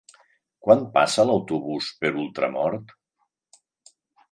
Quan passa l'autobús per Ultramort?